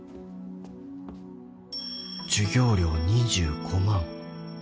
「授業料２５万」